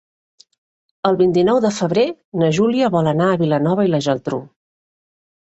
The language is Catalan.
El vint-i-nou de febrer na Júlia vol anar a Vilanova i la Geltrú.